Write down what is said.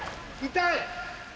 痛い！